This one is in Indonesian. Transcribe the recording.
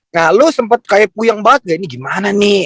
nah lu sempet kayak puyeng banget gak ini gimana nih